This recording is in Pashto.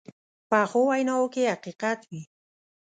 پخو ویناوو کې حقیقت وي